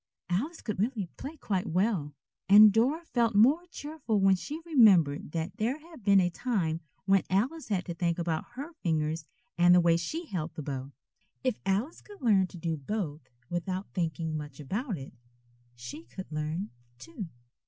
Alice could really play quite well, and Dora felt more cheerful when she remembered that there had been a time when Alice had to think about her fingers and the way she held the bow. If Alice could learn to do both without thinking much about it, she could learn, too.